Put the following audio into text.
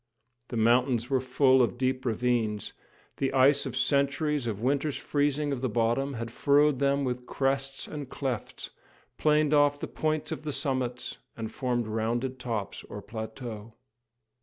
The mountains were full of deep ravines, the ice of centuries of winters' freezing of the bottom had furrowed them with crests and clefts, planed off the points of the summits, and formed rounded tops or plateaux.